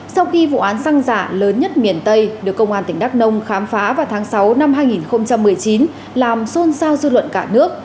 sau khi vụ án xăng giả lớn nhất miền tây được công an tỉnh đắk nông khám phá vào tháng sáu năm hai nghìn một mươi chín làm xôn xao dư luận cả nước